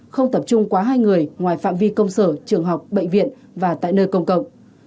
không tập trung quá hai người ngoài phạm vi công sở trường học bệnh viện và tại nơi công cộng